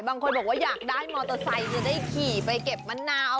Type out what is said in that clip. บางคนบอกว่าอยากได้มอเตอร์ไซค์จะได้ขี่ไปเก็บมะนาว